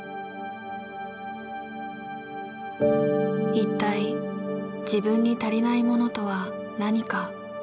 一体自分に足りないものとは何か。